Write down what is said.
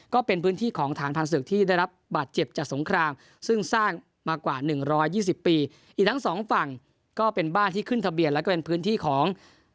ก็เป็นพื้นที่ของฐานทางศึกที่ได้รับบาดเจ็บจากสงครามซึ่งสร้างมากว่า๑๒๐ปีอีกทั้งสองฝั่งก็เป็นบ้านที่ขึ้นทะเบียนแล้วก็เป็นพื้นที่ของ